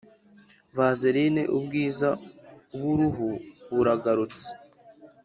Vazerine ubwiza buruhu buragarutse